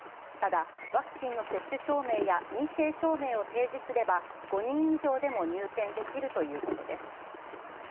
ただ、ワクチンの接種証明や陰性証明を提示すれば５人以上でも入店できるということです。